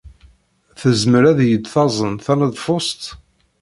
Tezmer ad iyi-d-tazen taneḍfust?